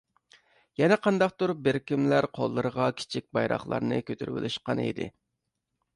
يەنە قانداقتۇر بىر كىملەر قوللىرىغا كىچىك بايراقلارنى كۆتۈرۈۋېلىشقان ئىدى.